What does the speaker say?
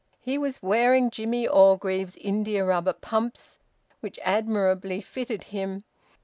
He was wearing Jimmie Orgreave's india rubber pumps, which admirably fitted him.